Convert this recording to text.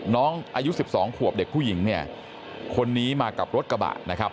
น้องอายุ๑๒ขวบเด็กผู้หญิงเนี่ยคนนี้มากับรถกระบะนะครับ